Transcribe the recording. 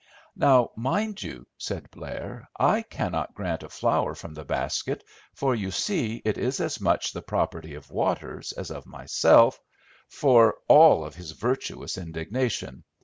"Now, mind you," said Blair, "I cannot grant a flower from the basket, for you see it is as much the property of Waters as of myself, for all of his virtuous indignation.